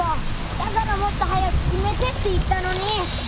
だからもっと早く決めてって言ったのに！